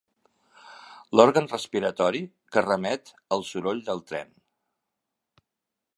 L'òrgan respiratori que remet al soroll del tren.